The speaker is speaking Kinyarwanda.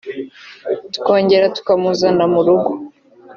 tukongera tukamuzana mu rugo